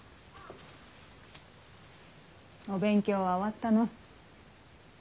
お勉強は終わったの？